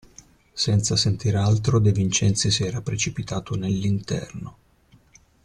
Senza sentir altro, De Vincenzi si era precipitato nell'interno.